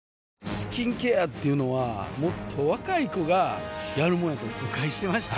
スキンケアっていうのはもっと若い子がやるもんやと誤解してました